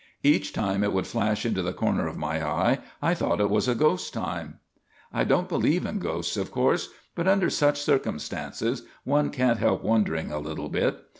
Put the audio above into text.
Each time it would flash into the corner of my eye, I thought it was ghost time. I don't believe in ghosts, of course; but, under such circumstances, one can't help wondering a little bit.